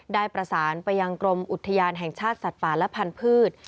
ได้ประสานไปยังกรมอุทยานแห่งชาติสัตว์ป่าและพันธุ์